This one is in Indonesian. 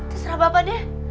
terserah bapak deh